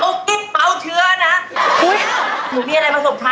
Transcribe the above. หูยหนูมีอะไรมาส่งใช้ให้กับแบนหรือเปล่า